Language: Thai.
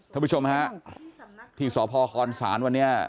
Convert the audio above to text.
ท่านผู้ชมฮะที่สพคศวันนี้